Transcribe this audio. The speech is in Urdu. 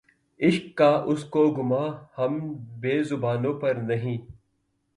عشق کا‘ اس کو گماں‘ ہم بے زبانوں پر نہیں